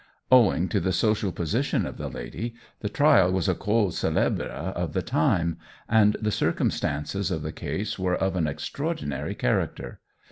Owing to the social position of the lady, the trial was a cause célèbre of the time, and the circumstances of the case were of an extraordinary character.